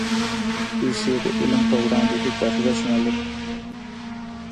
پېسې د علم پر وړاندې هېڅ ارزښت نه لري.